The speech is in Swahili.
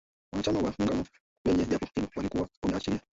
Wanachama wa muungano kwenye jopo hilo walikuwa wameashiria